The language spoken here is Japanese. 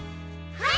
はい！